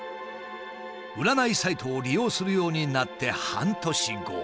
占いサイトを利用するようになって半年後。